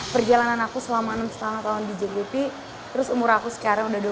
perjalanan aku selama enam lima tahun di jgp terus umur aku sekarang udah dua puluh